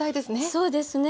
そうですね